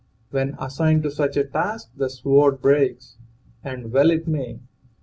When assigned to such a task the sword breaks, and well it may.